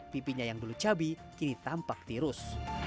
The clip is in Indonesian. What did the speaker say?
pipinya yang dulu cabi kini tampak tirus